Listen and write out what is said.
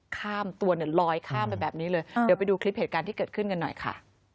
ข้ามตัวเนี่ยลอยข้ามไปแบบนี้เลยเดี๋ยวไปดูคลิปเหตุการณ์ที่เกิดขึ้นกันหน่อยค่ะ